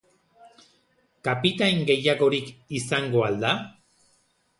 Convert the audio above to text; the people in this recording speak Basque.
Kapitain gehiagorik izango al da?